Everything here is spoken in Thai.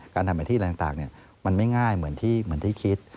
การทำอาทิตย์อะไรต่างมันไม่ง่ายเหมือนที่คิด